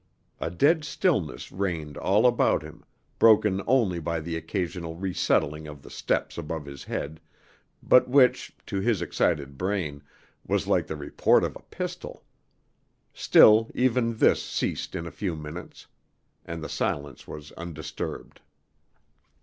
A dead stillness reigned all about him, broken only by the occasional resettling of the steps above his head, but which, to his excited brain, was like the report of a pistol; still even this ceased in a few minutes, and the silence was undisturbed.